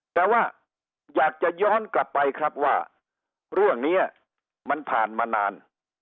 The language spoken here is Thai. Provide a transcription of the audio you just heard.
แต่ว่าอยากจะย้อนกลับไปครับว่าเรื่องนี้มันผ่านมานาน